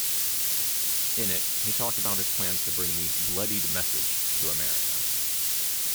In it, he talked about his plans to bring the "bloodied message" to America.